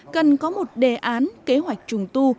cần có một đề án kế hoạch trùng tu